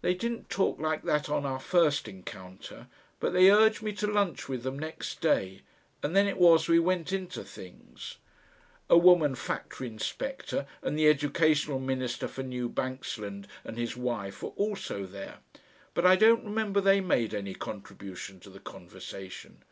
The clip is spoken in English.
They didn't talk like that on our first encounter, but they urged me to lunch with them next day, and then it was we went into things. A woman Factory Inspector and the Educational Minister for New Banksland and his wife were also there, but I don't remember they made any contribution to the conversation.